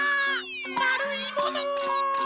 まるいもの！